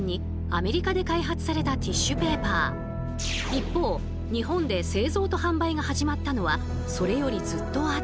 一方日本で製造と販売が始まったのはそれよりずっと後。